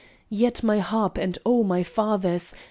Yet, my harp and oh, my fathers!